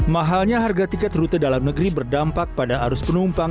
mahalnya harga tiket rute dalam negeri berdampak pada arus penumpang